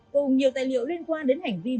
cùng nhiều tài liệu liên quan đến hành vi